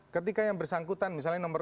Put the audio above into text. ketika yang bersangkutan misalnya nomor